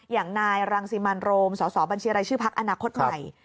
อย่างนายรังสิมันโรมสสบัญชีรายชื่อพักอนาคตใหม่